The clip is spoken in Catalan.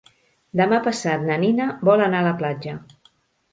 Demà passat na Nina vol anar a la platja.